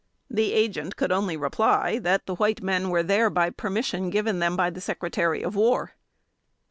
The Agent could only reply, that the white men were there by permission given them by the Secretary of War.